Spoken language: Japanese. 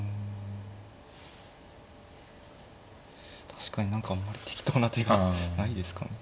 確かに何かあんまり適当な手がないですかね。